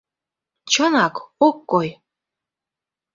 Чынак, ок кой.